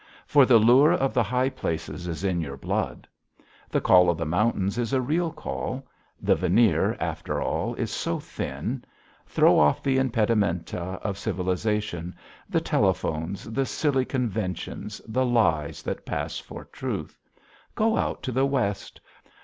For the lure of the high places is in your blood. The call of the mountains is a real call. The veneer, after all, is so thin. Throw off the impedimenta of civilization, the telephones, the silly conventions, the lies that pass for truth. Go out to the West.